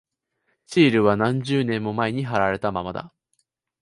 シールは何十年も前に貼られたままだ。